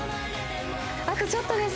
あとちょっとです。